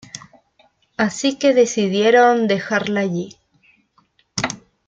Así que decidieron dejarla allí.